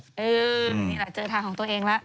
นี่แหละเจอทางของตัวเองแล้ว